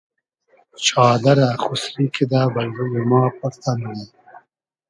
چادئرہ خوسری کیدہ بئل روی ما پۉرتۂ مونی